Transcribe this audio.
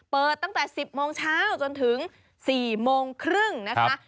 เปิดตั้งแต่๑๐โมงเช้าจนถึง๔โมงครึ่งนะคะ